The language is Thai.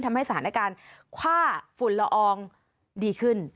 ทำให้สถานการณ์ค่าฝุ่นละอองดีขึ้น